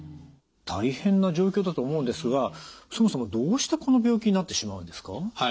大変な状況だと思うんですがそもそもどうしてこの病気になってしまうんですか？